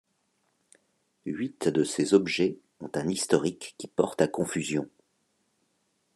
Huit de ces objets ont un historique qui porte à confusion.